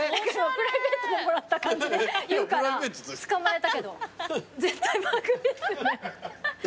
プライベートでもらった感じで言うからつかまえたけど絶対番組ですよね。